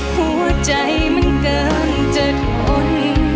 หัวใจมันเกิน๗คน